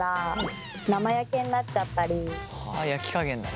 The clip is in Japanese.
焼き加減だね。